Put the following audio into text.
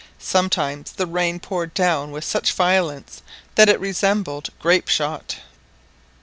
Sometimes the rain poured down with such violence that it resembled grape shot.